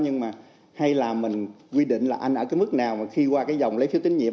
nhưng mà hay là mình quy định là anh ở cái mức nào mà khi qua cái dòng lấy phiếu tín nhiệm